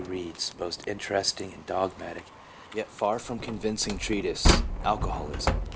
Reid's most interesting and dogmatic, yet far from convincing treatise, Alcoholism.